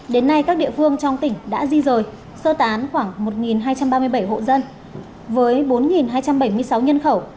đến nay các địa phương trong tỉnh đã di rời sơ tán khoảng một hai trăm ba mươi bảy hộ dân với bốn hai trăm bảy mươi sáu nhân khẩu